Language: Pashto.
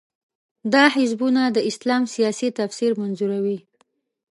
دا حزبونه د اسلام سیاسي تفسیر منظوروي.